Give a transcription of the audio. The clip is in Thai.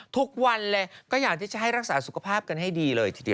ทุกวันเลยก็อยากที่จะให้รักษาสุขภาพกันให้ดีเลยทีเดียว